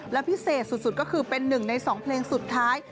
และพิเศษสุดก็คือเป็นหนึ่งใน๒เพลงสุดท้าย